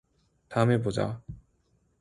다음에 보자.